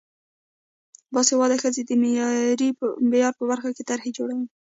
باسواده ښځې د معماری په برخه کې طرحې جوړوي.